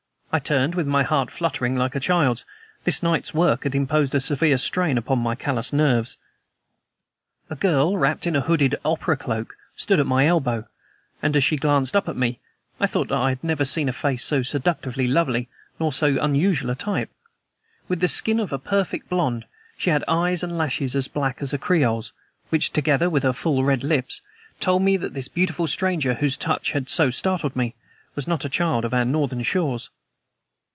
I turned, with my heart fluttering like a child's. This night's work had imposed a severe strain even upon my callous nerves. A girl wrapped in a hooded opera cloak stood at my elbow, and, as she glanced up at me, I thought that I never had seen a face so seductively lovely nor of so unusual a type. With the skin of a perfect blonde, she had eyes and lashes as black as a Creole's, which, together with her full red lips, told me that this beautiful stranger, whose touch had so startled me, was not a child of our northern shores.